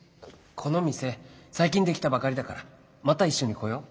この店最近出来たばかりだからまた一緒に来よう。